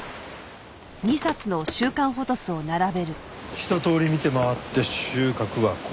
ひととおり見て回って収穫はこれだけ。